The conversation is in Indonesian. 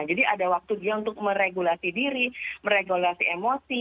jadi ada waktu dia untuk meregulasi diri meregulasi emosi